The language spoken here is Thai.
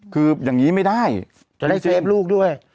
คืออย่างนี้ไม่ได้จะได้เซฟลูกด้วย